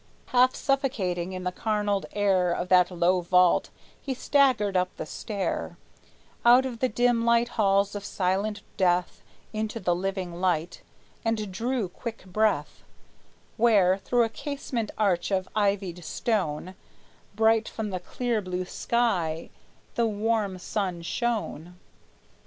Half suffocating in the charneled air Of that low vault, he staggered up the stair, Out of the dim lit halls of silent death Into the living light, and drew quick breath Where, through a casement arch of ivied stone, Bright from the clear blue sky the warm sun shone.